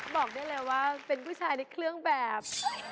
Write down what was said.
บอกได้เลยว่าเป็นผู้ชายในเครื่องแบบ